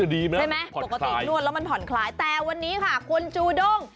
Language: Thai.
ดีนะพลันคล้ายแต่วันนี้ค่ะคุณจูด้ง